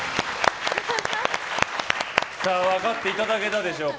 分かっていただけたでしょうか。